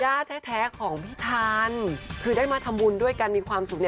แท้ของพี่ทันคือได้มาทำบุญด้วยกันมีความสุข